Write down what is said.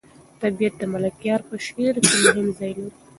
طبیعت د ملکیار په شعر کې مهم ځای لري.